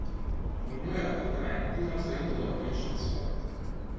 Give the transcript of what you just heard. Nei nuovi appartamenti sono stati introdotti gli ascensori.